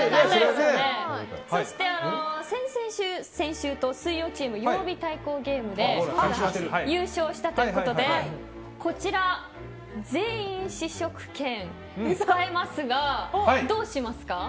そして先々週、先週と水曜チームは曜日対抗ゲームで優勝したということで全員試食券を使えますがどうしますか？